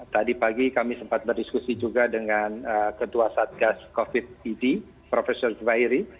tadi pagi kami sempat berdiskusi juga dengan ketua satgas covid id prof zubairi